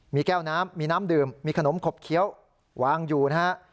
มีแก้วน้ำมีน้ำดื่มมีขนมขบเคี้ยววางอยู่นะฮะ